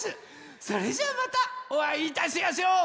それじゃあまたおあいいたしやしょう！